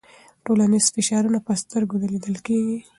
ټولنیز فشارونه په سترګو نه لیدل کېږي.